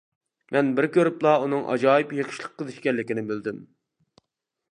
مەن بىر كۆرۈپلا ئۇنىڭ ئاجايىپ يېقىشلىق قىز ئىكەنلىكىنى بىلدىم.